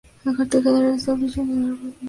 El cuartel general se estableció en Arizpe, Sonora.